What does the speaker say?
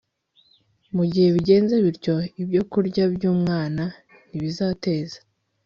Mu gihe bigenze bityo ibyokurya byumwana ntibizateza